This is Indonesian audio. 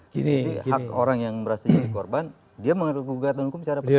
jadi hak orang yang merasa jadi korban dia menggunakan gugatan hukum secara perdata